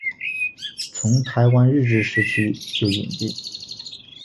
从台湾日治时期就引进。